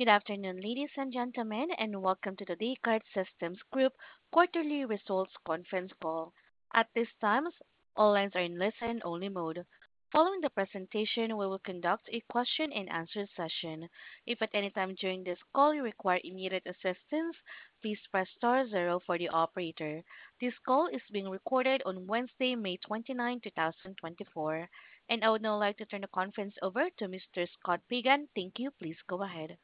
Good afternoon, ladies and gentlemen, and welcome to the Descartes Systems Group quarterly results conference call. At this time, all lines are in listen-only mode. Following the presentation, we will conduct a question-and-answer session. If, at any time during this call you require immediate assistance, please press star zero for the operator. This call is being recorded on Wednesday, May 29, 2024. I would now like to turn the conference over to Mr. Scott Pagan. Thank you. Please go ahead.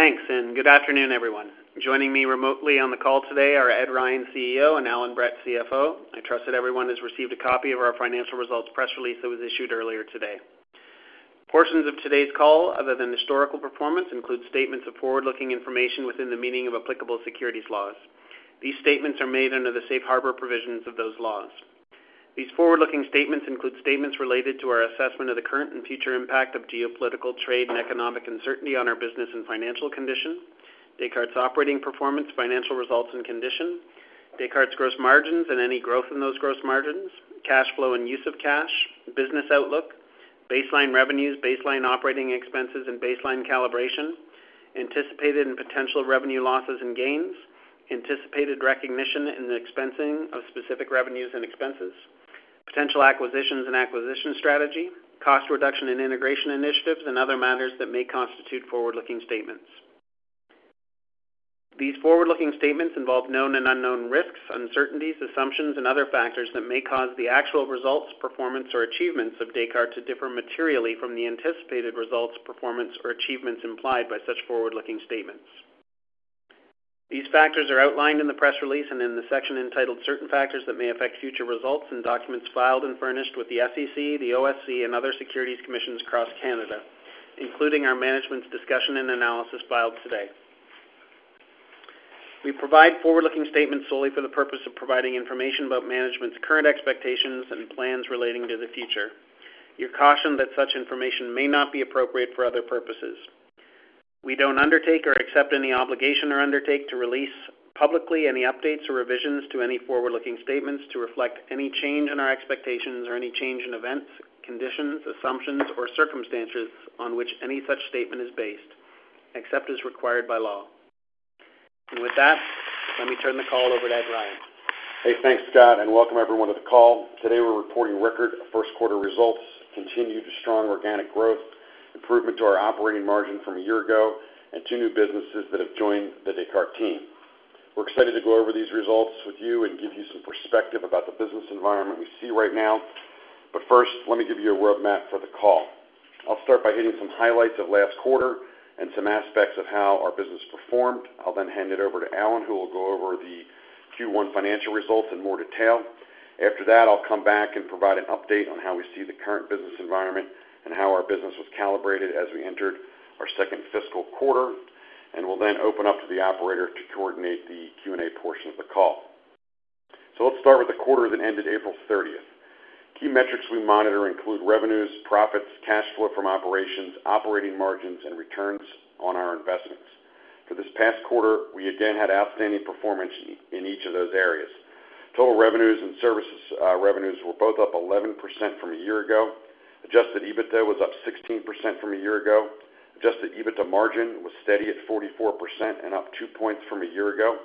Thanks, and good afternoon, everyone. Joining me remotely on the call today are Ed Ryan, CEO, and Allan Brett, CFO. I trust that everyone has received a copy of our financial results press release that was issued earlier today. Portions of today's call, other than historical performance, include statements of forward-looking information within the meaning of applicable securities laws. These statements are made under the safe harbor provisions of those laws. These forward-looking statements include statements related to our assessment of the current and future impact of geopolitical trade and economic uncertainty on our business and financial condition, Descartes' operating performance, financial results and condition, Descartes' gross margins and any growth in those gross margins, cash flow and use of cash, business outlook, baseline revenues, baseline operating expenses and baseline calibration, anticipated and potential revenue losses and gains, anticipated recognition and expensing of specific revenues and expenses, potential acquisitions and acquisition strategy, cost reduction and integration initiatives, and other matters that may constitute forward-looking statements. These forward-looking statements involve known and unknown risks, uncertainties, assumptions, and other factors that may cause the actual results, performance, or achievements of Descartes to differ materially from the anticipated results, performance, or achievements implied by such forward-looking statements. These factors are outlined in the press release and in the section entitled Certain Factors That May Affect Future Results and documents filed and furnished with the SEC, the OSC, and other securities commissions across Canada, including our management's discussion and analysis filed today. We provide forward-looking statements solely for the purpose of providing information about management's current expectations and plans relating to the future. You're cautioned that such information may not be appropriate for other purposes. We don't undertake or accept any obligation or undertake to release publicly any updates or revisions to any forward-looking statements to reflect any change in our expectations or any change in events, conditions, assumptions, or circumstances on which any such statement is based, except as required by law. And with that, let me turn the call over to Ed Ryan. Hey, thanks, Scott, and welcome everyone to the call. Today, we're reporting record Q1 results, continued strong organic growth, improvement to our operating margin from a year ago, and two new businesses that have joined the Descartes team. We're excited to go over these results with you and give you some perspective about the business environment we see right now. But first, let me give you a roadmap for the call. I'll start by hitting some highlights of last quarter and some aspects of how our business performed. I'll then hand it over to Allan, who will go over the Q1 financial results in more detail. After that, I'll come back and provide an update on how we see the current business environment and how our business was calibrated as we entered our second fiscal quarter, and we'll then open up to the operator to coordinate the Q&A portion of the call. So let's start with the quarter that ended April thirtieth. Key metrics we monitor include revenues, profits, cash flow from operations, operating margins, and returns on our investments. For this past quarter, we again had outstanding performance in each of those areas. Total revenues and services revenues were both up 11% from a year ago. Adjusted EBITDA was up 16% from a year ago. Adjusted EBITDA margin was steady at 44% and up 2 points from a year ago.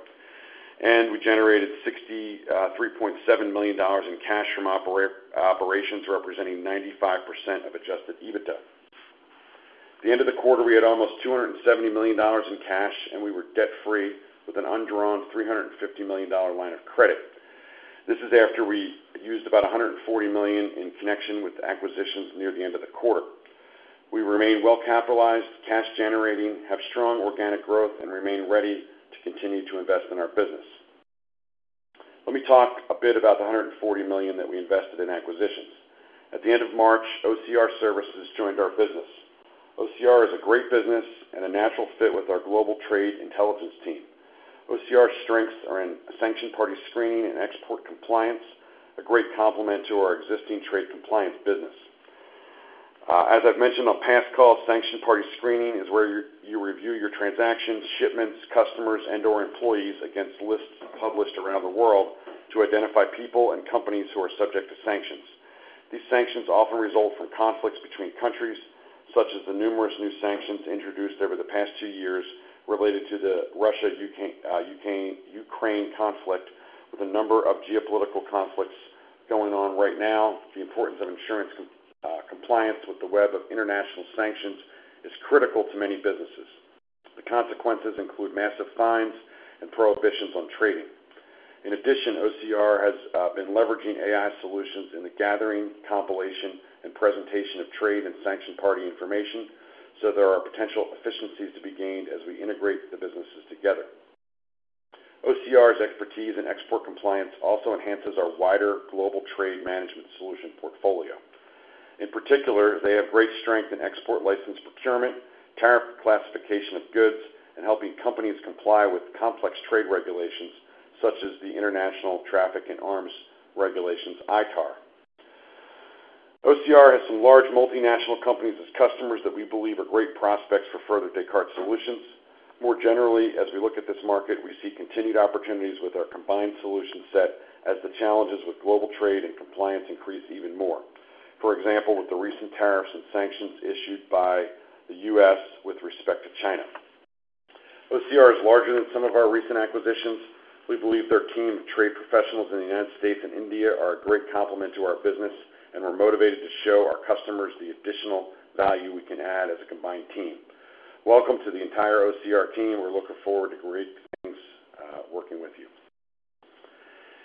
And we generated $63.7 million in cash from operations, representing 95% of adjusted EBITDA. At the end of the quarter, we had almost $270 million in cash, and we were debt-free with an undrawn $350 million line of credit. This is after we used about $140 million in connection with the acquisitions near the end of the quarter. We remain well capitalized, cash generating, have strong organic growth, and remain ready to continue to invest in our business. Let me talk a bit about the $140 million that we invested in acquisitions. At the end of March, OCR Services joined our business. OCR is a great business and a natural fit with our global trade intelligence team. OCR strengths are in sanction party screening and export compliance, a great complement to our existing trade compliance business. As I've mentioned on past calls, sanction party screening is where you review your transactions, shipments, customers, and/or employees against lists published around the world to identify people and companies who are subject to sanctions. These sanctions often result from conflicts between countries, such as the numerous new sanctions introduced over the past two years related to the Russia-Ukraine conflict. With a number of geopolitical conflicts going on right now, the importance of ensuring compliance with the web of international sanctions is critical to many businesses. The consequences include massive fines and prohibitions on trading. In addition, OCR has been leveraging AI solutions in the gathering, compilation, and presentation of trade and sanction party information, so there are potential efficiencies to be gained as we integrate the businesses together. OCR's expertise in export compliance also enhances our wider global trade management solution portfolio. In particular, they have great strength in export license procurement, tariff classification of goods, and helping companies comply with complex trade regulations such as the International Traffic in Arms Regulations, ITAR. OCR has some large multinational companies as customers that we believe are great prospects for further Descartes solutions.... More generally, as we look at this market, we see continued opportunities with our combined solution set as the challenges with global trade and compliance increase even more. For example, with the recent tariffs and sanctions issued by the U.S. with respect to China. OCR is larger than some of our recent acquisitions. We believe their team of trade professionals in the United States and India are a great complement to our business, and we're motivated to show our customers the additional value we can add as a combined team. Welcome to the entire OCR team. We're looking forward to great things, working with you.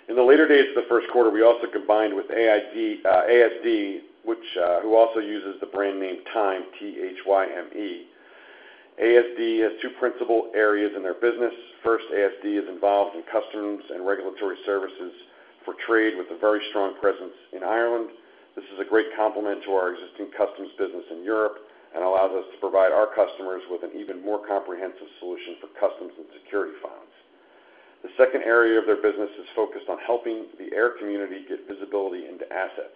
In the later days of the Q1, we also combined with ASD, which who also uses the brand name Thyme, T-H-Y-M-E. ASD has two principal areas in their business. First, ASD is involved in customs and regulatory services for trade, with a very strong presence in Ireland. This is a great complement to our existing customs business in Europe, and allows us to provide our customers with an even more comprehensive solution for customs and security funds. The second area of their business is focused on helping the air community get visibility into assets.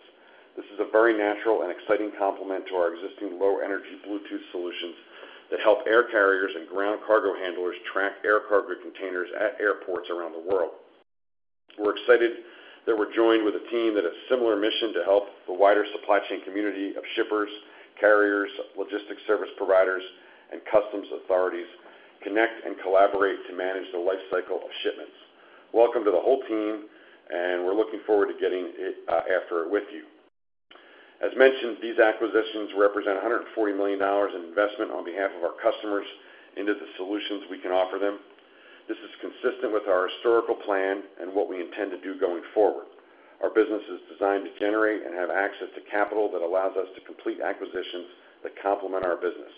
This is a very natural and exciting complement to our existing low-energy Bluetooth solutions that help air carriers and ground cargo handlers track air cargo containers at airports around the world. We're excited that we're joined with a team that has similar mission to help the wider supply chain community of shippers, carriers, logistics service providers, and customs authorities connect and collaborate to manage the life cycle of shipments. Welcome to the whole team, and we're looking forward to getting it, after it with you. As mentioned, these acquisitions represent $140 million in investment on behalf of our customers into the solutions we can offer them. This is consistent with our historical plan and what we intend to do going forward. Our business is designed to generate and have access to capital that allows us to complete acquisitions that complement our business.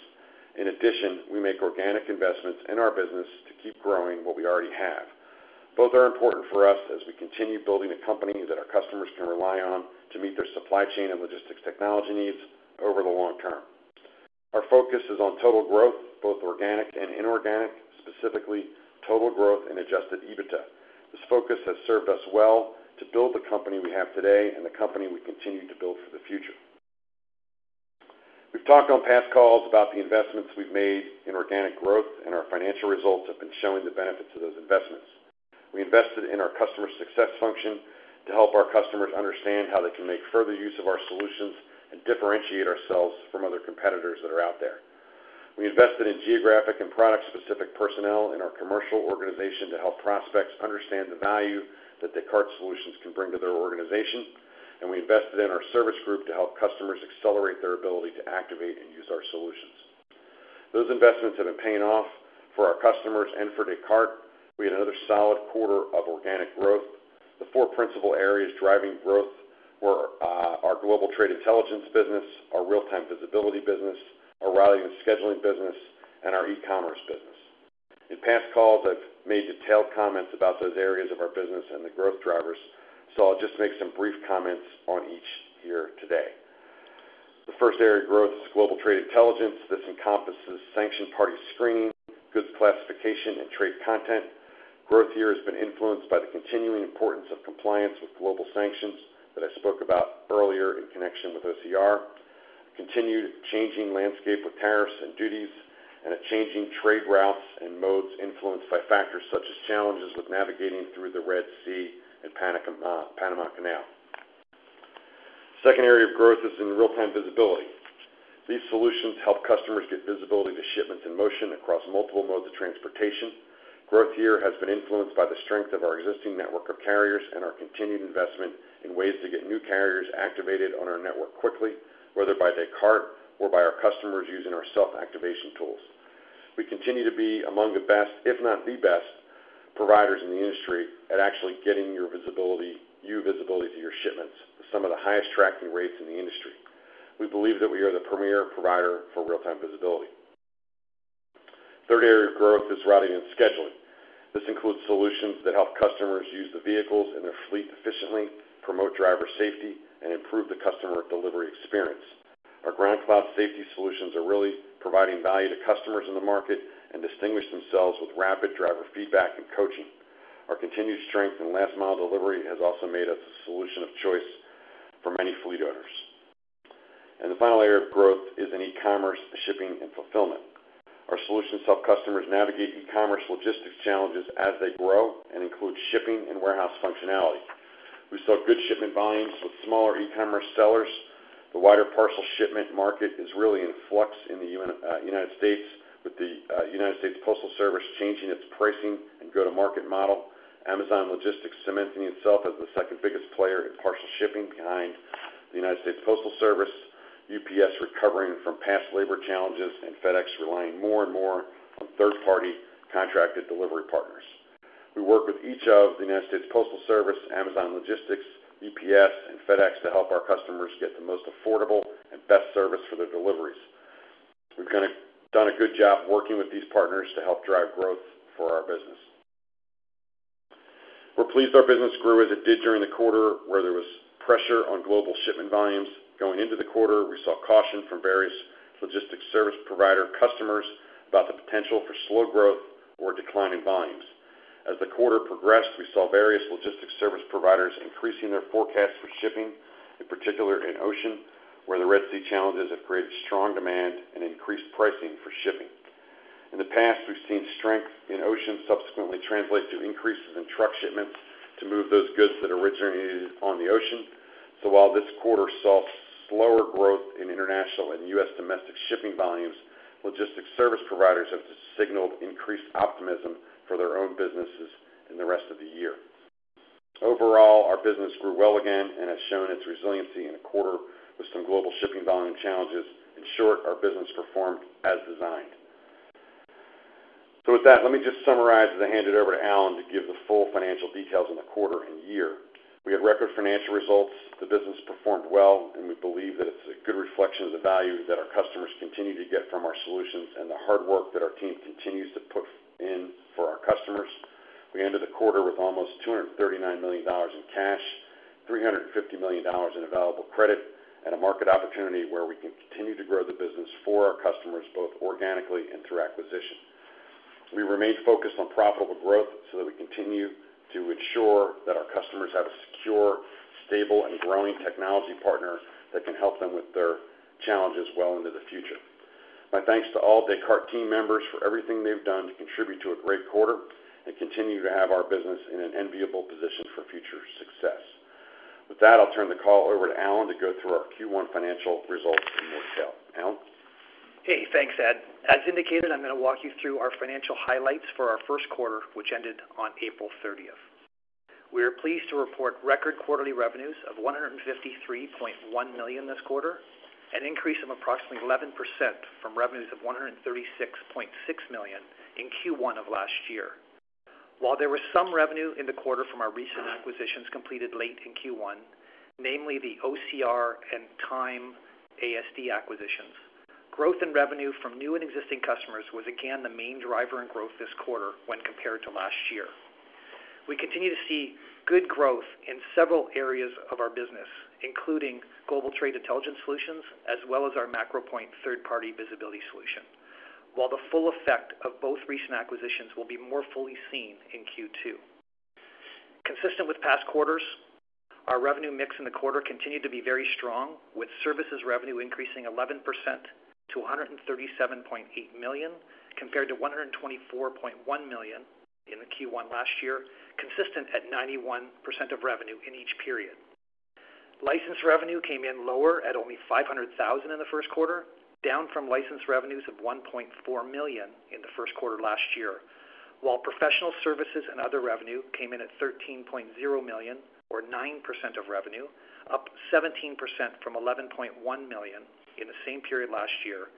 In addition, we make organic investments in our business to keep growing what we already have. Both are important for us as we continue building a company that our customers can rely on to meet their supply chain and logistics technology needs over the long term. Our focus is on total growth, both organic and inorganic, specifically total growth and Adjusted EBITDA. This focus has served us well to build the company we have today and the company we continue to build for the future. We've talked on past calls about the investments we've made in organic growth, and our financial results have been showing the benefits of those investments. We invested in our customer success function to help our customers understand how they can make further use of our solutions and differentiate ourselves from other competitors that are out there. We invested in geographic and product-specific personnel in our commercial organization to help prospects understand the value that Descartes solutions can bring to their organization, and we invested in our service group to help customers accelerate their ability to activate and use our solutions. Those investments have been paying off for our customers and for Descartes. We had another solid quarter of organic growth. The four principal areas driving growth were our global trade intelligence business, our real-time visibility business, our routing and scheduling business, and our e-commerce business. In past calls, I've made detailed comments about those areas of our business and the growth drivers, so I'll just make some brief comments on each here today. The first area of growth is Global Trade Intelligence. This encompasses sanction party screening, goods classification, and trade content. Growth here has been influenced by the continuing importance of compliance with global sanctions that I spoke about earlier in connection with OCR, continued changing landscape with tariffs and duties, and a changing trade routes and modes influenced by factors such as challenges with navigating through the Red Sea and Panama Canal. Second area of growth is in real-time visibility. These solutions help customers get visibility to shipments in motion across multiple modes of transportation. Growth here has been influenced by the strength of our existing network of carriers and our continued investment in ways to get new carriers activated on our network quickly, whether by Descartes or by our customers using our self-activation tools. We continue to be among the best, if not the best, providers in the industry at actually getting you visibility to your shipments, with some of the highest tracking rates in the industry. We believe that we are the premier provider for real-time visibility. Third area of growth is routing and scheduling. This includes solutions that help customers use the vehicles in their fleet efficiently, promote driver safety, and improve the customer delivery experience. Our GroundCloud safety solutions are really providing value to customers in the market and distinguish themselves with rapid driver feedback and coaching. Our continued strength in last mile delivery has also made us a solution of choice for many fleet owners. And the final area of growth is in e-commerce, shipping, and fulfillment. Our solutions help customers navigate e-commerce logistics challenges as they grow and include shipping and warehouse functionality. We saw good shipment volumes with smaller e-commerce sellers. The wider parcel shipment market is really in flux in the United States, with the United States Postal Service changing its pricing and go-to-market model, Amazon Logistics cementing itself as the second biggest player in parcel shipping behind the United States Postal Service, UPS recovering from past labor challenges, and FedEx relying more and more on third-party contracted delivery partners. We work with each of the United States Postal Service, Amazon Logistics, UPS, and FedEx to help our customers get the most affordable and best service for their deliveries. We've kinda done a good job working with these partners to help drive growth for our business. We're pleased our business grew as it did during the quarter, where there was pressure on global shipment volumes. Going into the quarter, we saw caution from various logistics service provider customers about the potential for slow growth or decline in volumes. As the quarter progressed, we saw various logistics service providers increasing their forecast for shipping, in particular in ocean, where the Red Sea challenges have created strong demand and increased pricing for shipping. In the past, we've seen strength in ocean subsequently translate to increases in truck shipments to move those goods that originated on the ocean. So while this quarter saw slower growth in international and U.S. domestic shipping volumes, logistics service providers have signaled increased optimism for their own businesses in the rest of the year. Overall, our business grew well again and has shown its resiliency in a quarter with some global shipping volume challenges. In short, our business performed as designed. With that, let me just summarize as I hand it over to Allan to give the full financial details on the quarter and year. We had record financial results. The business performed well, and we believe that it's a good reflection of the value that our customers continue to get from our solutions and the hard work that our team continues to put in for our customers. We ended the quarter with almost $239 million in cash, $350 million in available credit, and a market opportunity where we can continue to grow the business for our customers, both organically and through acquisition. We remain focused on profitable growth so that we continue to ensure that our customers have a secure, stable, and growing technology partner that can help them with their challenges well into the future. My thanks to all Descartes team members for everything they've done to contribute to a great quarter and continue to have our business in an enviable position for future success. With that, I'll turn the call over to Allan to go through our Q1 financial results in more detail. Allan? Hey, thanks, Ed. As indicated, I'm going to walk you through our financial highlights for our Q1, which ended on April 30. We are pleased to report record quarterly revenues of $153.1 million this quarter, an increase of approximately 11% from revenues of $136.6 million in Q1 of last year. While there was some revenue in the quarter from our recent acquisitions completed late in Q1, namely the OCR and Thyme-IT ASD acquisitions, growth in revenue from new and existing customers was again the main driver in growth this quarter when compared to last year. We continue to see good growth in several areas of our business, including Global Trade Intelligence Solutions, as well as our MacroPoint third-party visibility solution, while the full effect of both recent acquisitions will be more fully seen in Q2. Consistent with past quarters, our revenue mix in the quarter continued to be very strong, with services revenue increasing 11% to $137.8 million, compared to $124.1 million in the Q1 last year, consistent at 91% of revenue in each period. License revenue came in lower at only $500,000 in the Q1, down from license revenues of $1.4 million in the Q1 last year, while professional services and other revenue came in at $13.0 million, or 9% of revenue, up 17% from $11.1 million in the same period last year,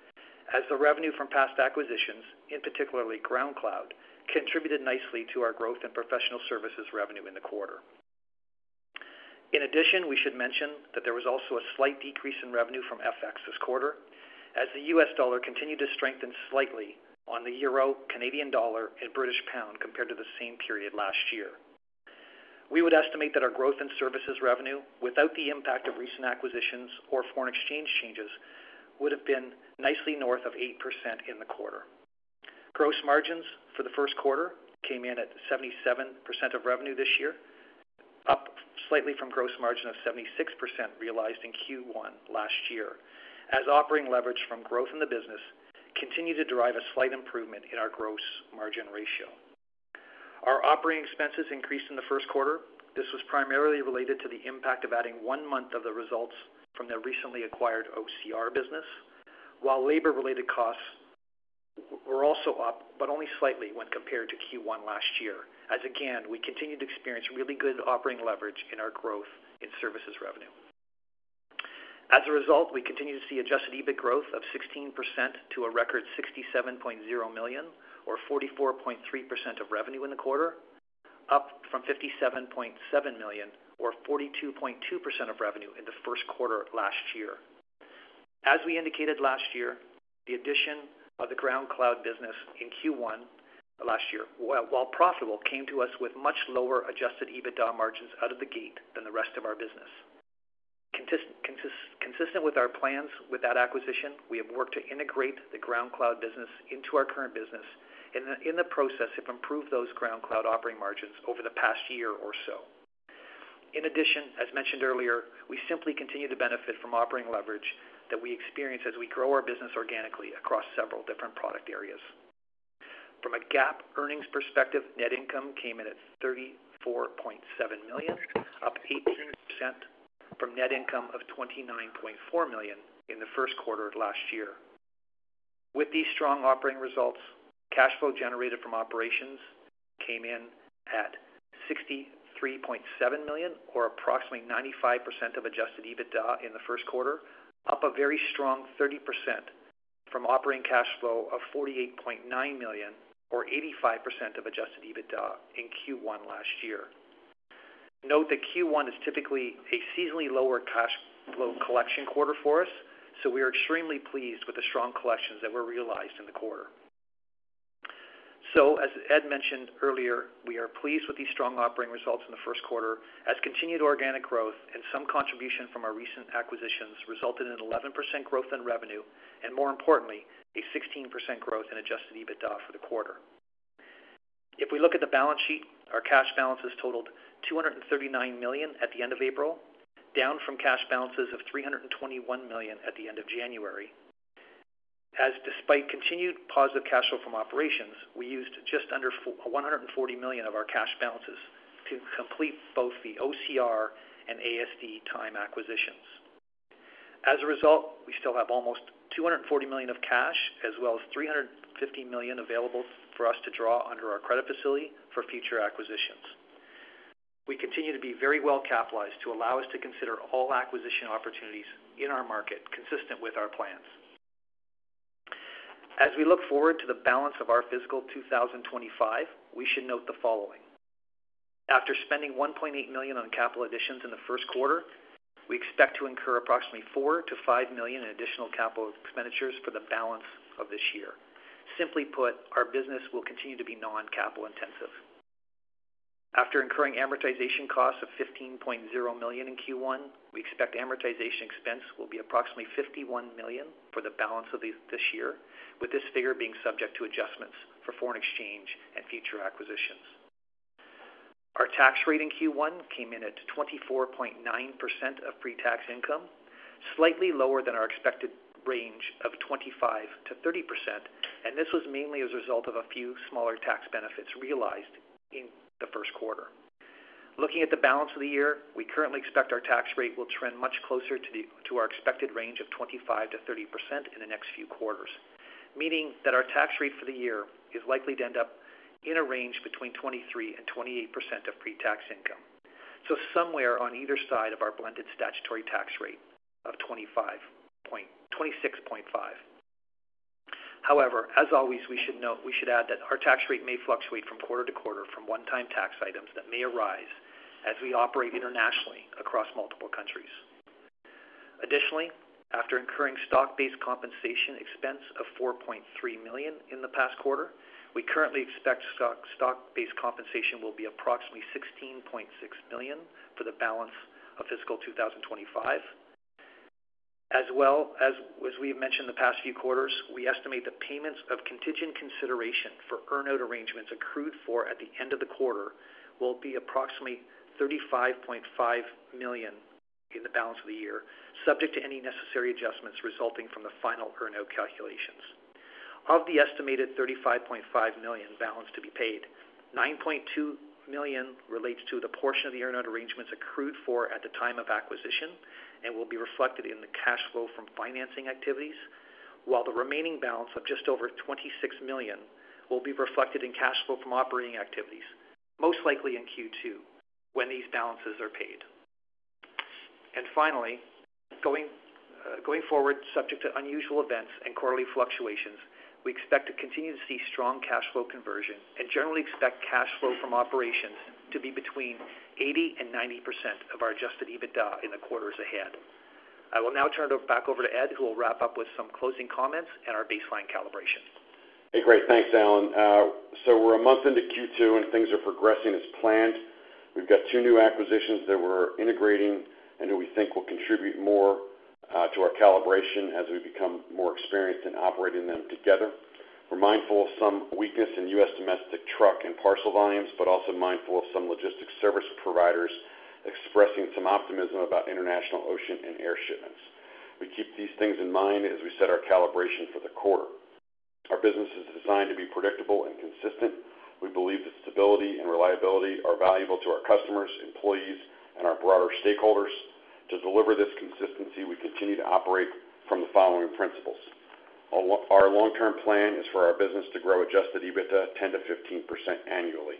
as the revenue from past acquisitions, in particularly GroundCloud, contributed nicely to our growth in professional services revenue in the quarter. In addition, we should mention that there was also a slight decrease in revenue from FX this quarter, as the US dollar continued to strengthen slightly on the euro, Canadian dollar, and British pound compared to the same period last year. We would estimate that our growth in services revenue, without the impact of recent acquisitions or foreign exchange changes, would have been nicely north of 8% in the quarter. Gross margins for the Q1 came in at 77% of revenue this year, up slightly from gross margin of 76% realized in Q1 last year, as operating leverage from growth in the business continued to drive a slight improvement in our gross margin ratio. Our operating expenses increased in the Q1. This was primarily related to the impact of adding one month of the results from the recently acquired OCR business, while labor-related costs were also up, but only slightly when compared to Q1 last year, as again, we continued to experience really good operating leverage in our growth in services revenue. As a result, we continue to see adjusted EBIT growth of 16% to a record $67.0 million, or 44.3% of revenue in the quarter, up from $57.7 million, or 42.2% of revenue in the Q1 of last year. As we indicated last year, the addition of the GroundCloud business in Q1 last year, while profitable, came to us with much lower adjusted EBITDA margins out of the gate than the rest of our business. Consistent with our plans with that acquisition, we have worked to integrate the GroundCloud business into our current business and in the process, have improved those GroundCloud operating margins over the past year or so. In addition, as mentioned earlier, we simply continue to benefit from operating leverage that we experience as we grow our business organically across several different product areas. From a GAAP earnings perspective, net income came in at $34.7 million, up 18% from net income of $29.4 million in the Q1 of last year. With these strong operating results, cash flow generated from operations came in at $63.7 million, or approximately 95% of adjusted EBITDA in the Q1, up a very strong 30% from operating cash flow of $48.9 million, or 85% of adjusted EBITDA in Q1 last year. Note that Q1 is typically a seasonally lower cash flow collection quarter for us, so we are extremely pleased with the strong collections that were realized in the quarter. So as Ed mentioned earlier, we are pleased with these strong operating results in the Q1, as continued organic growth and some contribution from our recent acquisitions resulted in 11% growth in revenue and more importantly, a 16% growth in adjusted EBITDA for the quarter. If we look at the balance sheet, our cash balances totaled $239 million at the end of April, down from cash balances of $321 million at the end of January. And despite continued positive cash flow from operations, we used just under $140 million of our cash balances to complete both the OCR and ASD Thyme acquisitions. As a result, we still have almost $240 million of cash, as well as $350 million available for us to draw under our credit facility for future acquisitions. We continue to be very well capitalized to allow us to consider all acquisition opportunities in our market, consistent with our plans. As we look forward to the balance of our fiscal 2025, we should note the following: after spending $1.8 million on capital additions in the Q1, we expect to incur approximately $4-5 million in additional capital expenditures for the balance of this year. Simply put, our business will continue to be non-capital intensive. After incurring amortization costs of $15.0 million in Q1, we expect amortization expense will be approximately $51 million for the balance of this year, with this figure being subject to adjustments for foreign exchange and future acquisitions. Our tax rate in Q1 came in at 24.9% of pre-tax income, slightly lower than our expected range of 25%-30%, and this was mainly as a result of a few smaller tax benefits realized in the Q1. Looking at the balance of the year, we currently expect our tax rate will trend much closer to our expected range of 25%-30% in the next few quarters, meaning that our tax rate for the year is likely to end up in a range between 23% and 28% of pre-tax income. Somewhere on either side of our blended statutory tax rate of 25%-26.5%. However, as always, we should note, we should add that our tax rate may fluctuate from quarter to quarter from one-time tax items that may arise as we operate internationally across multiple countries. Additionally, after incurring stock-based compensation expense of $4.3 million in the past quarter, we currently expect stock, stock-based compensation will be approximately $16.6 million for the balance of fiscal 2025. As well as, as we have mentioned in the past few quarters, we estimate the payments of contingent consideration for earn-out arrangements accrued for at the end of the quarter will be approximately $35.5 million in the balance of the year, subject to any necessary adjustments resulting from the final earn-out calculations. Of the estimated $35.5 million balance to be paid, $9.2 million relates to the portion of the earn-out arrangements accrued for at the time of acquisition and will be reflected in the cash flow from financing activities, while the remaining balance of just over $26 million will be reflected in cash flow from operating activities, most likely in Q2, when these balances are paid. And finally, going, going forward, subject to unusual events and quarterly fluctuations, we expect to continue to see strong cash flow conversion and generally expect cash flow from operations to be between 80% and 90% of our Adjusted EBITDA in the quarters ahead. I will now turn it back over to Ed, who will wrap up with some closing comments and our Baseline Calibration. Hey, great. Thanks, Allan. So we're a month into Q2, and things are progressing as planned. We've got two new acquisitions that we're integrating and that we think will contribute more to our calibration as we become more experienced in operating them together. We're mindful of some weakness in U.S. domestic truck and parcel volumes, but also mindful of some logistics service providers expressing some optimism about international ocean and air shipments. We keep these things in mind as we set our calibration for the quarter. Our business is designed to be predictable and consistent. We believe that stability and reliability are valuable to our customers, employees, and our broader stakeholders. To deliver this consistency, we continue to operate from the following principles: our long-term plan is for our business to grow adjusted EBITDA 10%-15% annually.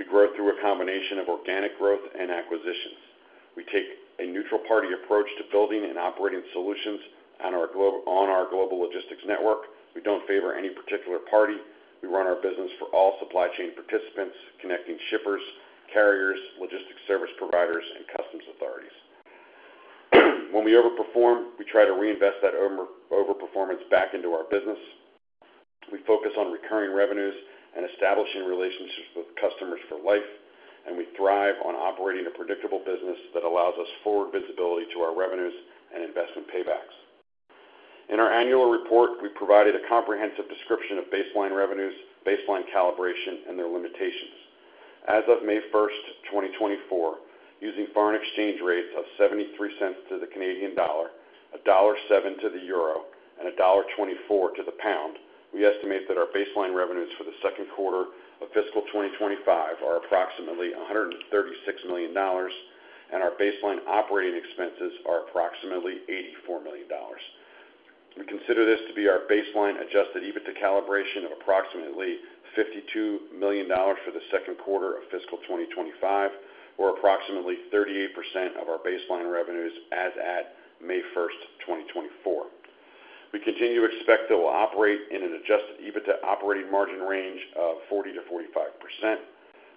We grow through a combination of organic growth and acquisitions. We take a neutral party approach to building and operating solutions on our global logistics network. We don't favor any particular party. We run our business for all supply chain participants, connecting shippers, carriers, logistics service providers, and customs authorities. When we overperform, we try to reinvest that overperformance back into our business. We focus on recurring revenues and establishing relationships with customers for life, and we thrive on operating a predictable business that allows us forward visibility to our revenues and investment paybacks. In our annual report, we provided a comprehensive description of baseline revenues, baseline calibration, and their limitations. As of May 1st, 2024, using foreign exchange rates of 73 cents to the Canadian dollar, $1.07 to the euro, and $1.24 to the pound, we estimate that our baseline revenues for the Q2 of fiscal 2025 are approximately $136 million, and our baseline operating expenses are approximately $84 million. We consider this to be our baseline adjusted EBITDA calibration of approximately $52 million for the Q2 of fiscal 2025, or approximately 38% of our baseline revenues as at May 1st, 2024. We continue to expect that we'll operate in an adjusted EBITDA operating margin range of 40%-45%.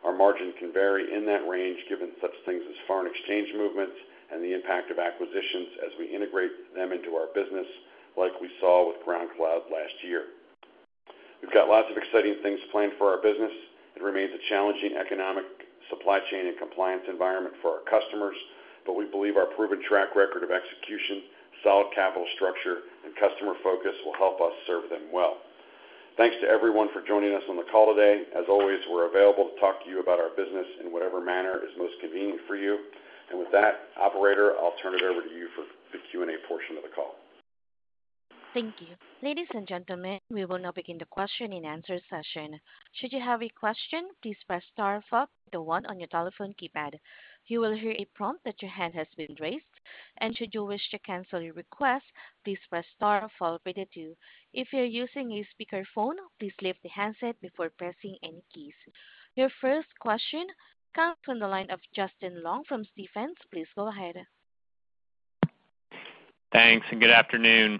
Our margin can vary in that range, given such things as foreign exchange movements and the impact of acquisitions as we integrate them into our business, like we saw with GroundCloud last year. We've got lots of exciting things planned for our business. It remains a challenging economic supply chain and compliance environment for our customers, but we believe our proven track record of execution, solid capital structure, and customer focus will help us serve them well.... Thanks to everyone for joining us on the call today. As always, we're available to talk to you about our business in whatever manner is most convenient for you. And with that, operator, I'll turn it over to you for the Q&A portion of the call. Thank you. Ladies and gentlemen, we will now begin the question-and-answer session. Should you have a question, please press star followed by the one on your telephone keypad. You will hear a prompt that your hand has been raised, and should you wish to cancel your request, please press star followed by the two. If you're using a speakerphone, please leave the handset before pressing any keys. Your first question comes from the line of Justin Long from Stifel. Please go ahead. Thanks, and good afternoon.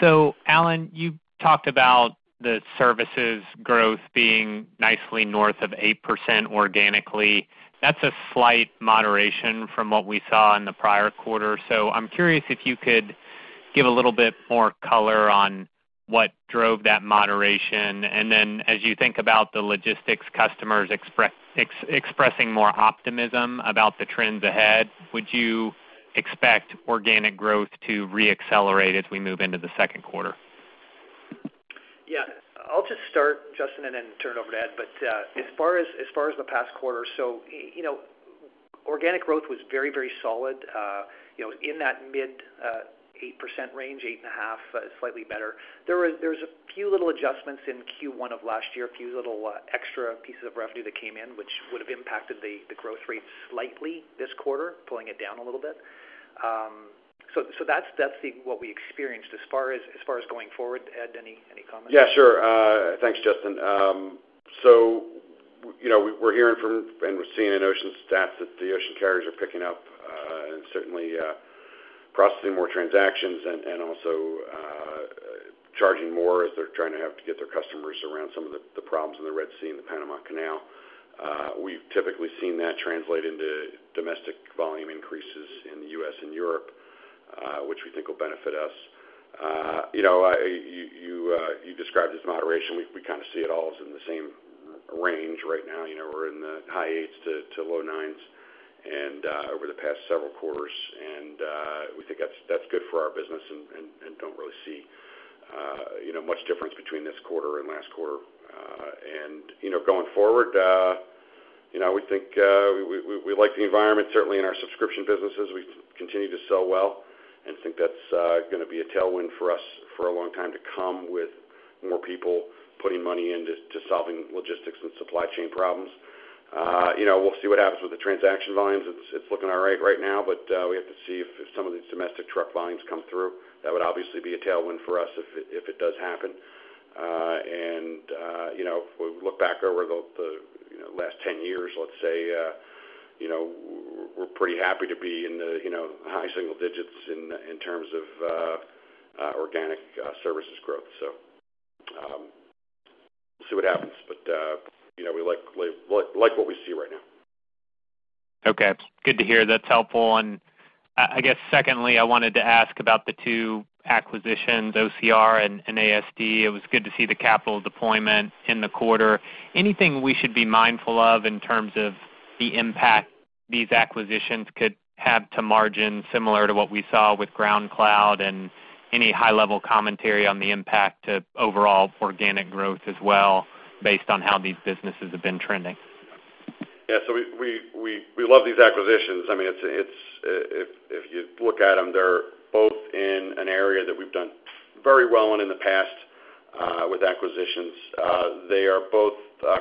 So Alan, you talked about the services growth being nicely north of 8% organically. That's a slight moderation from what we saw in the prior quarter. So I'm curious if you could give a little bit more color on what drove that moderation. And then as you think about the logistics customers expressing more optimism about the trends ahead, would you expect organic growth to reaccelerate as we move into the Q2? Yeah. I'll just start, Justin, and then turn it over to Ed. But, as far as the past quarter, so, you know, organic growth was very, very solid, you know, in that mid-8% range, 8.5%, slightly better. There was a few little adjustments in Q1 of last year, a few little extra pieces of revenue that came in, which would have impacted the growth rate slightly this quarter, pulling it down a little bit. So, that's what we experienced. As far as going forward, Ed, any comments? Yeah, sure. Thanks, Justin. So, you know, we're hearing from and we're seeing in Ocean stats that the Ocean carriers are picking up, and certainly processing more transactions and also charging more as they're trying to have to get their customers around some of the problems in the Red Sea and the Panama Canal. We've typically seen that translate into domestic volume increases in the U.S. and Europe, which we think will benefit us. You know, you described as moderation. We kinda see it all as in the same range right now. You know, we're in the high 8s to low 9s and over the past several quarters, and we think that's good for our business and don't really see, you know, much difference between this quarter and last quarter. And you know, going forward, you know, we think we like the environment. Certainly, in our subscription businesses, we continue to sell well and think that's gonna be a tailwind for us for a long time to come, with more people putting money into solving logistics and supply chain problems. You know, we'll see what happens with the transaction volumes. It's looking all right right now, but we have to see if some of these domestic truck volumes come through. That would obviously be a tailwind for us if it does happen. And, you know, if we look back over the, you know, last 10 years, let's say, you know, we're pretty happy to be in the, you know, high single digits in terms of organic services growth. So, we'll see what happens, but, you know, we like what we see right now. Okay. Good to hear. That's helpful. I guess, secondly, I wanted to ask about the two acquisitions, OCR and ASD. It was good to see the capital deployment in the quarter. Anything we should be mindful of in terms of the impact these acquisitions could have to margin, similar to what we saw with GroundCloud, and any high-level commentary on the impact to overall organic growth as well, based on how these businesses have been trending? Yeah, so we love these acquisitions. I mean, it's... If you look at them, they're both in an area that we've done very well in, in the past, with acquisitions. They are both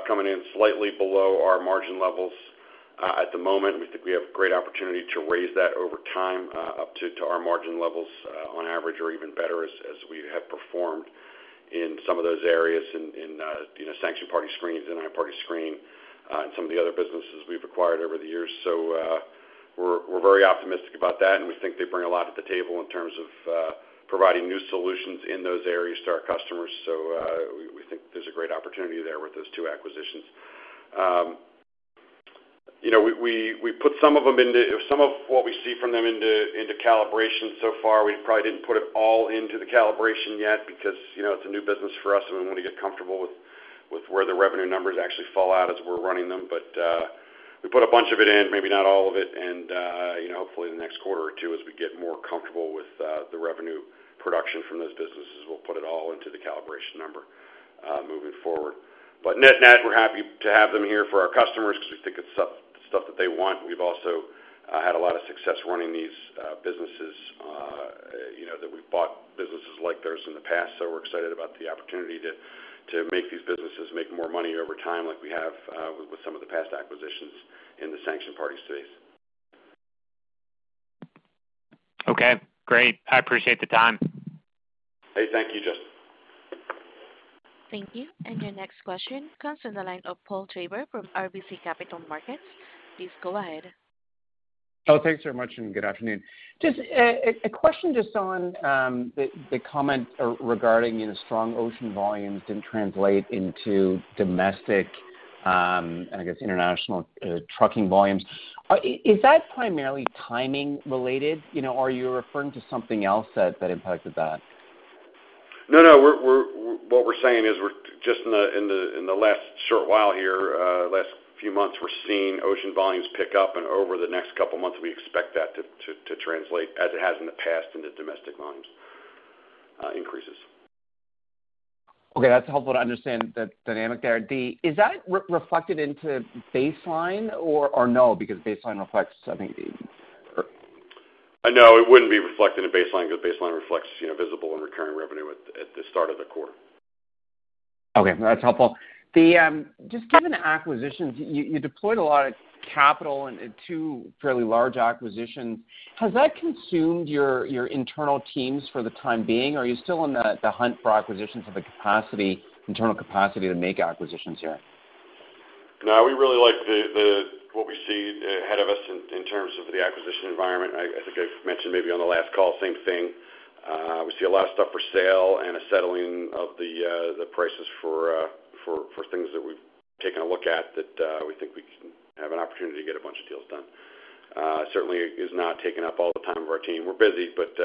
coming in slightly below our margin levels, at the moment. We think we have great opportunity to raise that over time, up to our margin levels, on average, or even better, as we have performed in some of those areas in, you know, sanction party screening and third-party screening, and some of the other businesses we've acquired over the years. So, we're very optimistic about that, and we think they bring a lot to the table in terms of providing new solutions in those areas to our customers. So, we think there's a great opportunity there with those two acquisitions. You know, we put some of what we see from them into calibration so far. We probably didn't put it all into the calibration yet because, you know, it's a new business for us, and we want to get comfortable with where the revenue numbers actually fall out as we're running them. But, we put a bunch of it in, maybe not all of it, and, you know, hopefully, in the next quarter or two, as we get more comfortable with the revenue production from those businesses, we'll put it all into the calibration number, moving forward. But net-net, we're happy to have them here for our customers because we think it's stuff that they want. We've also had a lot of success running these businesses, you know, that we've bought businesses like theirs in the past, so we're excited about the opportunity to make these businesses make more money over time, like we have with some of the past acquisitions in the sanctions party space. Okay, great. I appreciate the time. Hey, thank you, Justin. Thank you. Your next question comes from the line of Paul Treiber from RBC Capital Markets. Please go ahead. Oh, thanks very much, and good afternoon. Just a question just on the comment regarding, you know, strong ocean volumes didn't translate into domestic and I guess international trucking volumes. Is that primarily timing related? You know, are you referring to something else that impacted that? No, no. We're -- What we're saying is we're just in the last short while here, last few months, we're seeing ocean volumes pick up, and over the next couple of months, we expect that to translate, as it has in the past, into domestic volumes increases.... Okay, that's helpful to understand the dynamic there. The – is that reflected into baseline, or no, because baseline reflects, I think- No, it wouldn't be reflected in baseline, because baseline reflects, you know, visible and recurring revenue at the start of the quarter. Okay, that's helpful. Just given the acquisitions, you deployed a lot of capital in two fairly large acquisitions. Has that consumed your internal teams for the time being, or are you still on the hunt for acquisitions of the capacity, internal capacity to make acquisitions here? No, we really like what we see ahead of us in terms of the acquisition environment. I think I've mentioned maybe on the last call, same thing. We see a lot of stuff for sale and a settling of the prices for things that we've taken a look at that we think we can have an opportunity to get a bunch of deals done. Certainly is not taking up all the time of our team. We're busy, but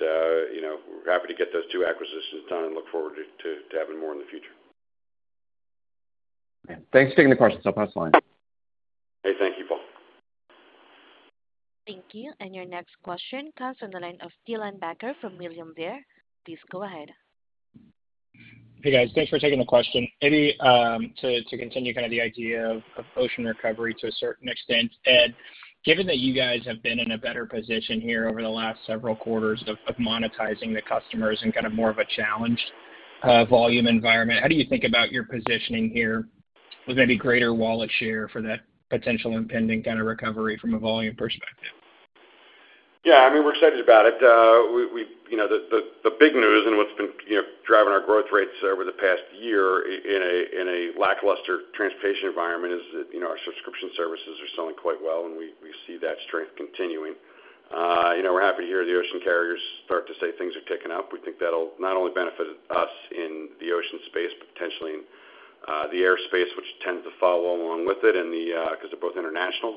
you know, we're happy to get those two acquisitions done and look forward to having more in the future. Yeah. Thanks for taking the question. I'll pass the line. Hey, thank you, Paul. Thank you, and your next question comes from the line of Dylan Becker from William Blair. Please go ahead. Hey, guys. Thanks for taking the question. Maybe to continue kind of the idea of ocean recovery to a certain extent, Ed, given that you guys have been in a better position here over the last several quarters of monetizing the customers and kind of more of a challenged volume environment, how do you think about your positioning here with maybe greater wallet share for that potential impending kind of recovery from a volume perspective? Yeah, I mean, we're excited about it. You know, the big news and what's been, you know, driving our growth rates over the past year in a lackluster transportation environment is that, you know, our subscription services are selling quite well, and we see that strength continuing. You know, we're happy to hear the ocean carriers start to say things are picking up. We think that'll not only benefit us in the ocean space, but potentially in the airspace, which tends to follow along with it because they're both international,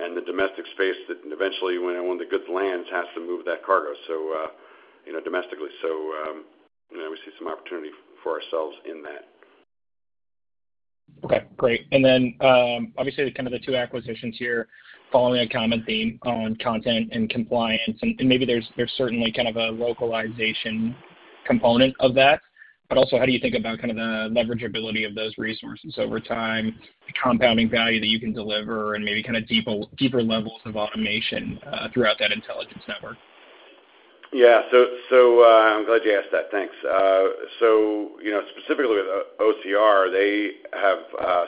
and the domestic space that eventually, when the goods lands, has to move that cargo, so, you know, domestically. So, you know, we see some opportunity for ourselves in that. Okay, great. And then, obviously, kind of the two acquisitions here following a common theme on content and compliance, and maybe there's certainly kind of a localization component of that. But also, how do you think about kind of the leverageability of those resources over time, the compounding value that you can deliver, and maybe kind of deeper levels of automation throughout that intelligence network? Yeah. So, I'm glad you asked that. Thanks. So, you know, specifically with OCR, they have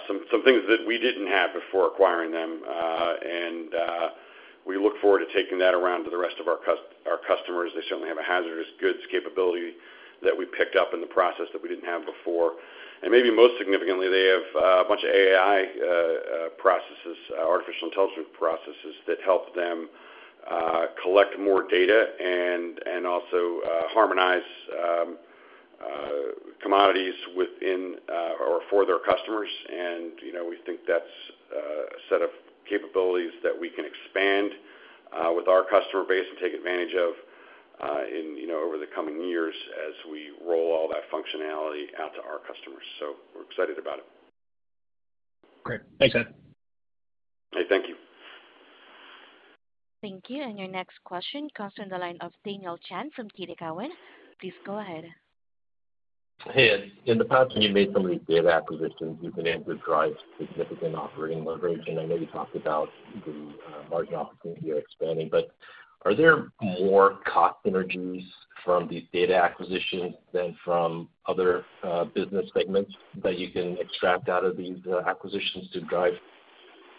some things that we didn't have before acquiring them, and we look forward to taking that around to the rest of our customers. They certainly have a hazardous goods capability that we picked up in the process that we didn't have before. And maybe most significantly, they have a bunch of AI processes, artificial intelligence processes, that help them collect more data and also harmonize commodities within or for their customers. And, you know, we think that's a set of capabilities that we can expand with our customer base and take advantage of, in, you know, over the coming years as we roll all that functionality out to our customers. We're excited about it. Great. Thanks, Ed. Hey, thank you. Thank you, and your next question comes from the line of Daniel Chan from TD Cowen. Please go ahead. Hey, Ed. In the past, when you made some of these data acquisitions, you've been able to drive significant operating leverage, and I know you talked about the margin opportunity here expanding. But are there more cost synergies from these data acquisitions than from other business segments that you can extract out of these acquisitions to drive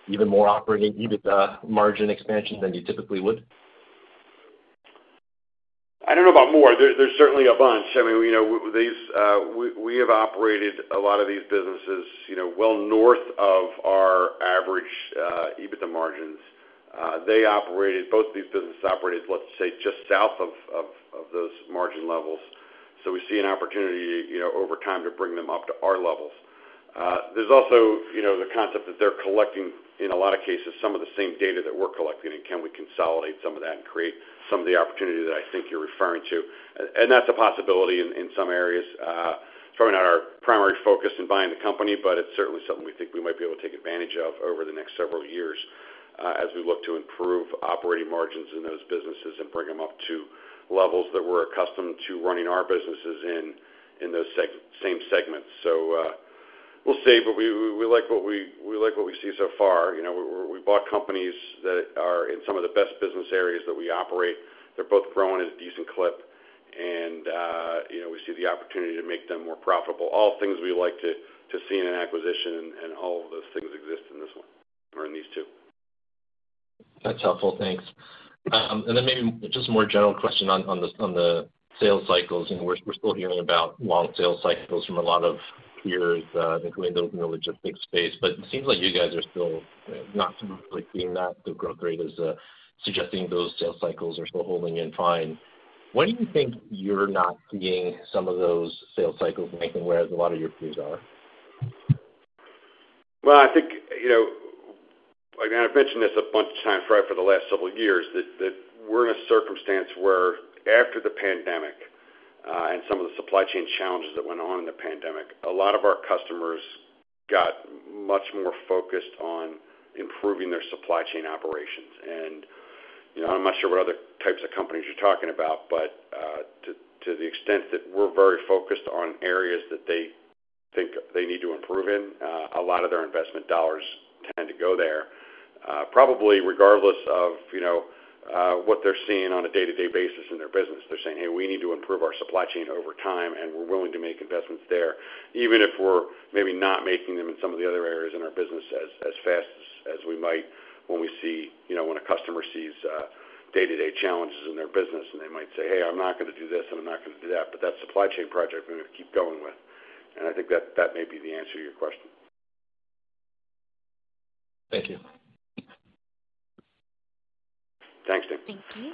even more operating, even, margin expansion than you typically would? I don't know about more. There's certainly a bunch. I mean, you know, these. We have operated a lot of these businesses, you know, well north of our average EBITDA margins. They operated, both of these businesses operated, let's say, just south of those margin levels. So we see an opportunity, you know, over time, to bring them up to our levels. There's also, you know, the concept that they're collecting, in a lot of cases, some of the same data that we're collecting, and can we consolidate some of that and create some of the opportunity that I think you're referring to? And that's a possibility in some areas. Certainly not our primary focus in buying the company, but it's certainly something we think we might be able to take advantage of over the next several years, as we look to improve operating margins in those businesses and bring them up to levels that we're accustomed to running our businesses in, in those same segments. So, we'll see, but we like what we see so far. You know, we bought companies that are in some of the best business areas that we operate. They're both growing at a decent clip, and, you know, we see the opportunity to make them more profitable. All things we like to see in an acquisition, and all of those things exist in this one, or in these two. That's helpful. Thanks. And then maybe just a more general question on the sales cycles, and we're still hearing about long sales cycles from a lot of peers, including those in the logistics space. But it seems like you guys are still not really seeing that. The growth rate is suggesting those sales cycles are still holding up fine. Why do you think you're not seeing some of those sales cycles lengthen, whereas a lot of your peers are? Well, I think, you know, again, I've mentioned this a bunch of times, right, for the last several years, that, that we're in a circumstance where after the pandemic, and some of the supply chain challenges that went on in the pandemic, a lot of our customers got much more focused on improving their supply chain operations. You know, I'm not sure what other types of companies you're talking about, but, to, to the extent that we're very focused on areas that they think they need to improve in, a lot of their investment dollars tend to go there. Probably regardless of, you know, what they're seeing on a day-to-day basis in their business, they're saying, "Hey, we need to improve our supply chain over time, and we're willing to make investments there, even if we're maybe not making them in some of the other areas in our business as fast as we might when we see, you know, when a customer sees day-to-day challenges in their business." And they might say, "Hey, I'm not gonna do this, and I'm not gonna do that, but that supply chain project we're gonna keep going with." And I think that may be the answer to your question. Thank you. Thanks. Thank you.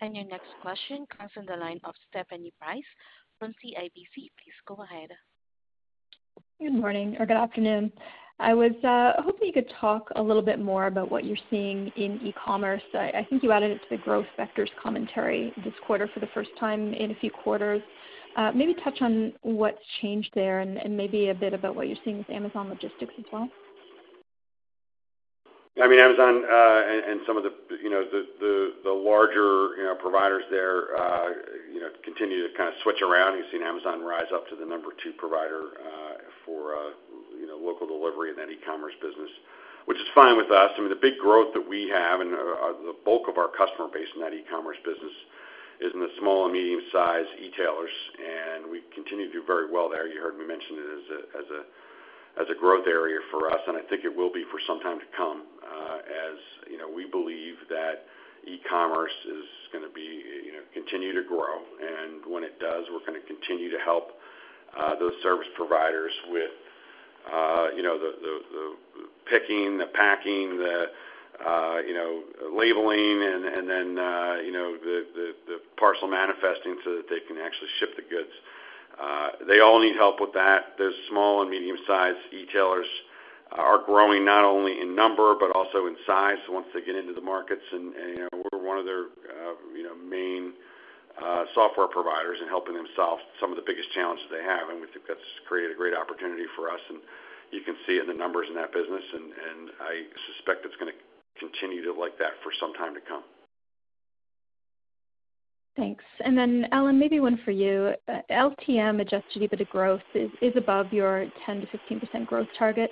And your next question comes from the line of Stephanie Price from CIBC. Please go ahead. Good morning or good afternoon. I was hoping you could talk a little bit more about what you're seeing in e-commerce. I think you added it to the growth vectors commentary this quarter for the first time in a few quarters. Maybe touch on what's changed there and maybe a bit about what you're seeing with Amazon Logistics as well. I mean, Amazon, and some of the, you know, the larger, you know, providers there, you know, continue to kind of switch around. You've seen Amazon rise up to the number two provider, for, you know, local delivery in that e-commerce business, which is fine with us. I mean, the big growth that we have and, the bulk of our customer base in that e-commerce business is in the small and medium-sized e-tailers, and we continue to do very well there. You heard me mention it as a growth area for us, and I think it will be for some time to come. As you know, we believe that e-commerce is gonna be, you know, continue to grow, and when it does, we're gonna continue to help those service providers with, you know, the picking, the packing, the labeling, and then, you know, the parcel manifesting so that they can actually ship the goods. They all need help with that. Those small and medium-sized e-tailers are growing not only in number, but also in size. So once they get into the markets and, you know, we're one of their, you know, main software providers in helping them solve some of the biggest challenges they have, and we think that's created a great opportunity for us. You can see it in the numbers in that business, and I suspect it's gonna continue like that for some time to come. Thanks. Then, Allan, maybe one for you. LTM adjusted EBITDA growth is above your 10%-15% growth target.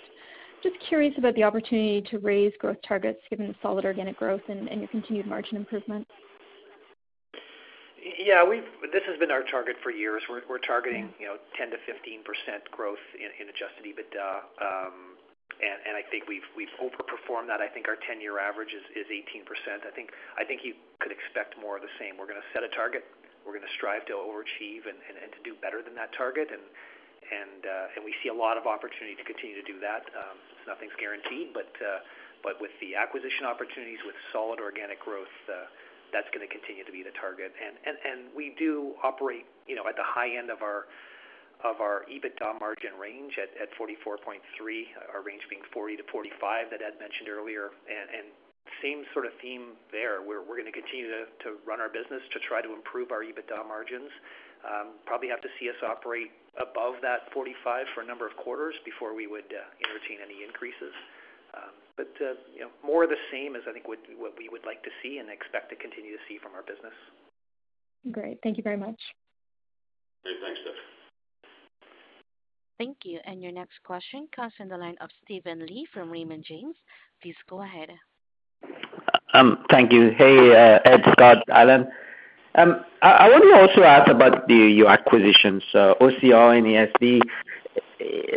Just curious about the opportunity to raise growth targets, given the solid organic growth and your continued margin improvement. Yeah, we've this has been our target for years. We're targeting, you know, 10%-15% growth in Adjusted EBITDA, and I think we've overperformed that. I think our 10-year average is 18%. I think you could expect more of the same. We're gonna set a target. We're gonna strive to overachieve and to do better than that target. And we see a lot of opportunity to continue to do that. Nothing's guaranteed, but with the acquisition opportunities, with solid organic growth, that's gonna continue to be the target. And we do operate, you know, at the high end of our EBITDA margin range at 44.3, our range being 40%-45%, that Ed mentioned earlier. And same sort of theme there. We're gonna continue to run our business to try to improve our EBITDA margins. Probably have to see us operate above that 45 for a number of quarters before we would entertain any increases. But you know, more of the same what we would like to see and expect to continue to see from our business. Great. Thank you very much. Great. Thanks, Steph. Thank you. And your next question comes from the line of Steven Li from Raymond James. Please go ahead. Thank you. Hey, Ed, Scott, Allan. I want to also ask about your acquisitions, OCR and ASD.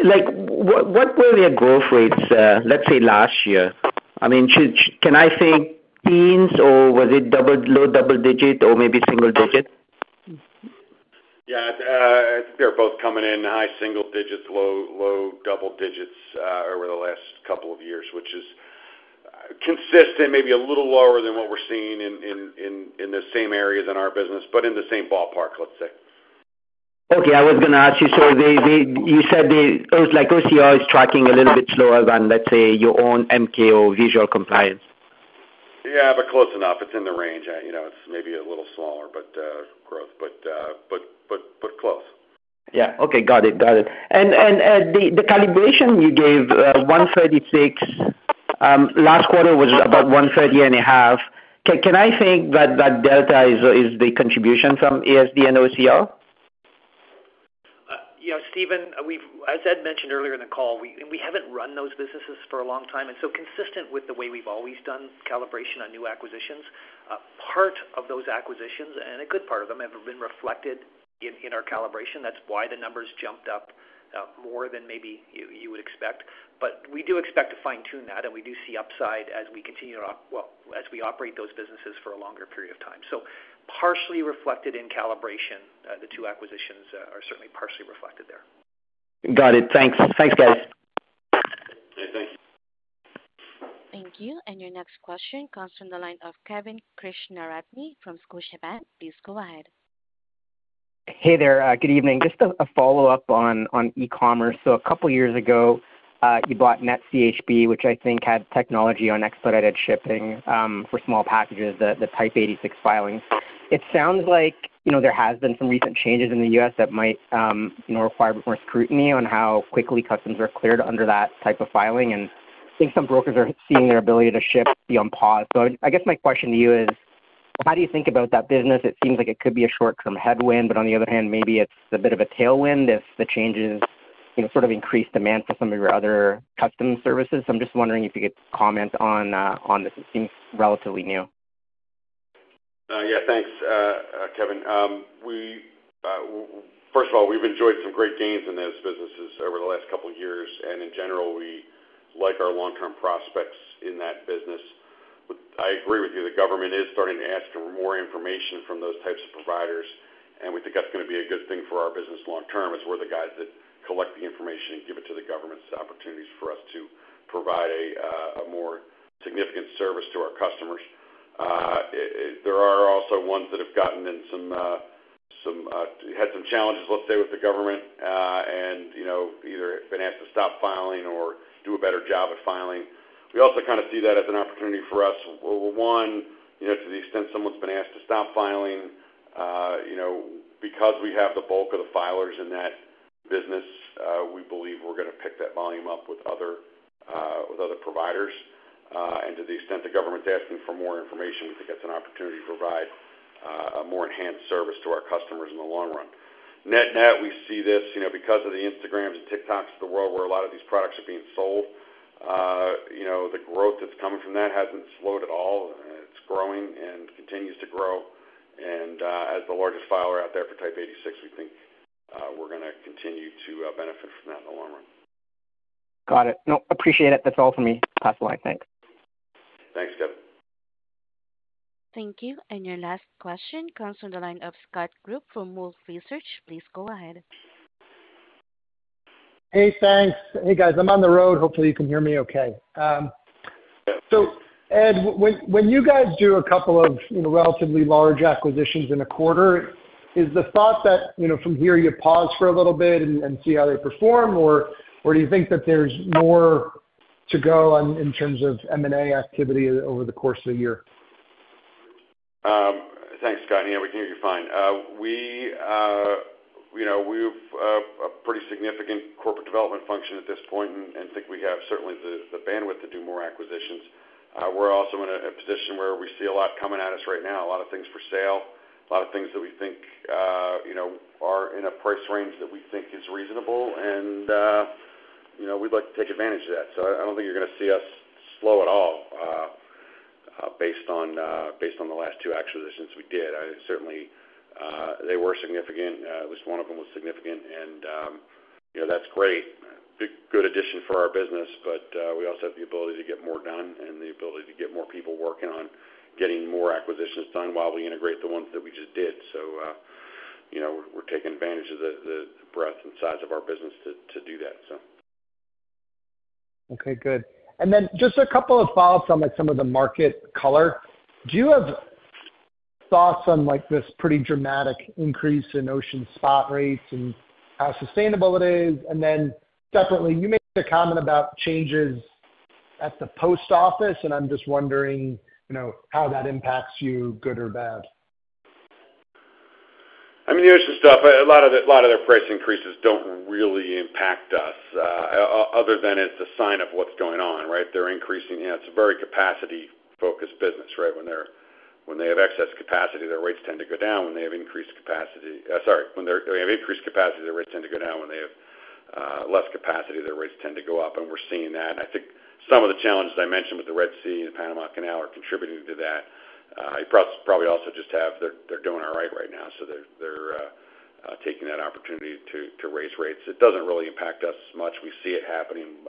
Like, what were their growth rates, let's say last year? I mean, should I say teens, or was it low double-digit or maybe single-digit? Yeah, they're both coming in high single digits, low double digits, over the last couple of years, which is consistent, maybe a little lower than what we're seeing in the same areas in our business, but in the same ballpark, let's say. Okay. I was gonna ask you, so they, you said it was like OCR is tracking a little bit slower than, let's say, your own Descartes Visual Compliance. Yeah, but close enough. It's in the range. You know, it's maybe a little smaller, but growth, but close. Yeah. Okay. Got it. Got it. And the calibration you gave, $136, last quarter was about $130.5. Can I think that delta is the contribution from ASD and OCR? You know, Steven, we've, as Ed mentioned earlier in the call, and we haven't run those businesses for a long time, and so consistent with the way we've always done calibration on new acquisitions, part of those acquisitions, and a good part of them, have been reflected in our calibration. That's why the numbers jumped up more than maybe you would expect. But we do expect to fine-tune that, and we do see upside as we continue to, well, operate those businesses for a longer period of time. So partially reflected in calibration, the two acquisitions are certainly partially reflected there. Got it. Thanks. Thanks, guys. Yeah, thank you. Thank you. Your next question comes from the line of Kevin Krishnaratne from Scotiabank. Please go ahead. Hey there. Good evening. Just a follow-up on e-commerce. So a couple years ago, you bought NetCHB, which I think had technology on expedited shipping for small packages, the Type 86 filings. It sounds like, you know, there has been some recent changes in the U.S. that might, you know, require more scrutiny on how quickly customs are cleared under that type of filing, and I think some brokers are seeing their ability to ship be on pause. So I guess my question to you is. How do you think about that business? It seems like it could be a short-term headwind, but on the other hand, maybe it's a bit of a tailwind if the changes, you know, sort of increase demand for some of your other customs services. So I'm just wondering if you could comment on this. It seems relatively new. Yeah, thanks, Kevin. We first of all, we've enjoyed some great gains in those businesses over the last couple of years, and in general, we like our long-term prospects in that business. But I agree with you, the government is starting to ask for more information from those types of providers, and we think that's gonna be a good thing for our business long term, as we're the guys that collect the information and give it to the government. It's an opportunity for us to provide a more significant service to our customers. There are also ones that have gotten in some, some, had some challenges, let's say, with the government, and, you know, either been asked to stop filing or do a better job at filing. We also kind of see that as an opportunity for us. One, you know, to the extent someone's been asked to stop filing, you know, because we have the bulk of the filers in that business, we believe we're gonna pick that volume up with other, with other providers. And to the extent the government's asking for more information, we think that's an opportunity to provide, a more enhanced service to our customers in the long run. Net-net, we see this, you know, because of the Instagrams and TikToks of the world, where a lot of these products are being sold, you know, the growth that's coming from that hasn't slowed at all, and it's growing and continues to grow. As the largest filer out there for Type 86, we think, we're gonna continue to benefit from that in the long run. Got it. No, appreciate it. That's all for me. Pass the line. Thanks. Thanks, Kevin. Thank you. And your last question comes from the line of Scott Group from Wolfe Research. Please go ahead. Hey, thanks. Hey, guys. I'm on the road. Hopefully, you can hear me okay. So Ed, when you guys do a couple of, you know, relatively large acquisitions in a quarter, is the thought that, you know, from here, you pause for a little bit and see how they perform, or do you think that there's more to go on in terms of M&A activity over the course of the year? Thanks, Scott. Yeah, we can hear you fine. You know, we've a pretty significant corporate development function at this point, and think we have certainly the bandwidth to do more acquisitions. We're also in a position where we see a lot coming at us right now, a lot of things for sale, a lot of things that we think, you know, are in a price range that we think is reasonable, and, you know, we'd like to take advantage of that. So I don't think you're gonna see us slow at all, based on the last two acquisitions we did. Certainly, they were significant, at least one of them was significant, and, you know, that's great. Good addition for our business, but we also have the ability to get more done and the ability to get more people working on getting more acquisitions done while we integrate the ones that we just did. So, you know, we're taking advantage of the breadth and size of our business to do that, so. Okay, good. And then just a couple of follow-ups on, like, some of the market color. Do you have thoughts on, like, this pretty dramatic increase in ocean spot rates and how sustainable it is? And then separately, you made a comment about changes at the post office, and I'm just wondering, you know, how that impacts you, good or bad? I mean, the ocean stuff, a lot of it, a lot of their price increases don't really impact us, other than it's a sign of what's going on, right? They're increasing. Yeah, it's a very capacity-focused business, right? When they have excess capacity, their rates tend to go down. When they have increased capacity, sorry, when they have increased capacity, their rates tend to go down. When they have less capacity, their rates tend to go up, and we're seeing that. I think some of the challenges I mentioned with the Red Sea and the Panama Canal are contributing to that. It probably also just, they're taking that opportunity to raise rates. It doesn't really impact us much. We see it happening.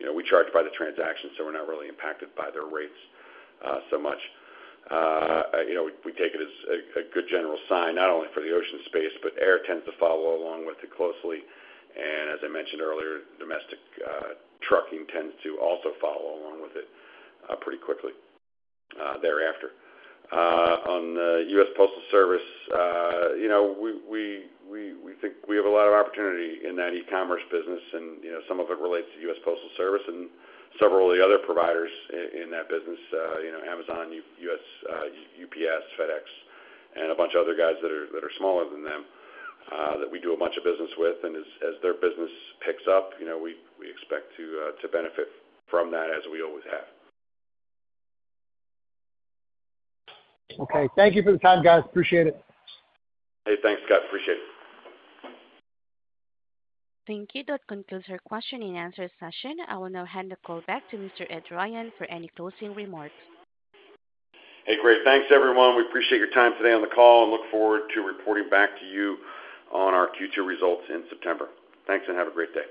You know, we charge by the transaction, so we're not really impacted by their rates so much. You know, we take it as a good general sign, not only for the ocean space, but air tends to follow along with it closely. And as I mentioned earlier, domestic trucking tends to also follow along with it pretty quickly thereafter. On the U.S. Postal Service, you know, we think we have a lot of opportunity in that e-commerce business and, you know, some of it relates to U.S. Postal Service and several of the other providers in that business, you know, Amazon, USPS, UPS, FedEx, and a bunch of other guys that are smaller than them that we do a bunch of business with. As their business picks up, you know, we expect to benefit from that as we always have. Okay. Thank you for the time, guys. Appreciate it. Hey, thanks, Scott. Appreciate it. Thank you. That concludes our question and answer session. I will now hand the call back to Mr. Ed Ryan for any closing remarks. Hey, great. Thanks, everyone. We appreciate your time today on the call and look forward to reporting back to you on our Q2 results in September. Thanks, and have a great day.